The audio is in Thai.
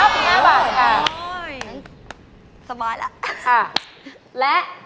๙๕บาทค่ะ